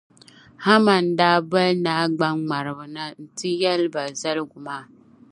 Haman daa boli naa gbaŋŋmariba na nti yɛli ba zaligu maa.